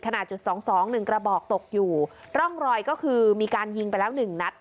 จุดสองสองหนึ่งกระบอกตกอยู่ร่องรอยก็คือมีการยิงไปแล้วหนึ่งนัด